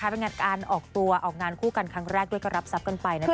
เป็นงานการออกตัวออกงานคู่กันครั้งแรกด้วยก็รับทรัพย์กันไปนะครับ